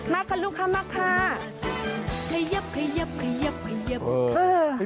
มาค่ะลูกค้ามาค่ะ